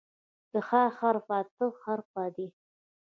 د "ح" حرف اتم حرف دی.